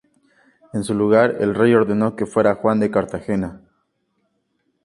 En su lugar el rey ordeno que fuera Juan de Cartagena.